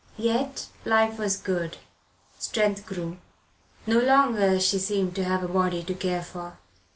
Yet life was good; strength grew. No longer she seemed to have a body to care for.